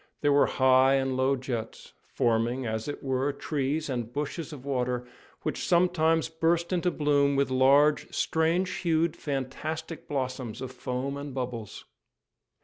There were high and low jets, forming, as it were, trees and bushes of water, which sometimes burst into bloom with large, strange hued, fantastic blossoms of foam and bubbles.